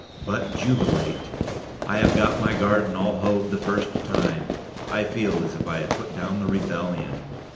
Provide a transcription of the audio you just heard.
But, jubilate, I have got my garden all hoed the first time! I feel as if I had put down the rebellion.